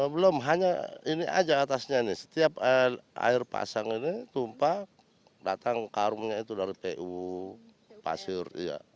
belum hanya ini aja atasnya nih setiap air pasang ini tumpah datang karungnya itu dari pu pasir